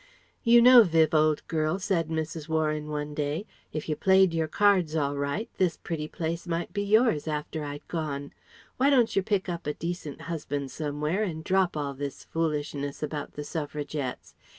"You know, Viv, old girl," said Mrs. Warren one day, "if you played your cards all right, this pretty place might be yours after I'd gone. Why don't yer pick up a decent husband somewhere and drop all this foolishness about the Suffragettes?